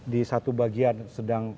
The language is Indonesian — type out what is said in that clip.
di satu bagian sedang